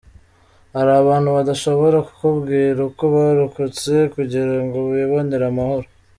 Hari abantu badashobora kukubwira uko barokotse kugirango bibonere amahoro.